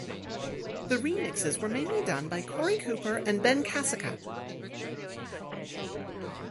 The remixes were mainly done by Korey Cooper and Ben Kasica.